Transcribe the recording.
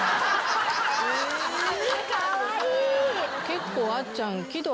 結構あっちゃん。